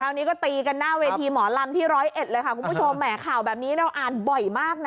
นี้ก็ตีกันหน้าเวทีหมอลำที่ร้อยเอ็ดเลยค่ะคุณผู้ชมแหมข่าวแบบนี้เราอ่านบ่อยมากนะ